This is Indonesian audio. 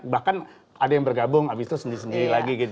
bahkan ada yang bergabung abis itu sendiri sendiri lagi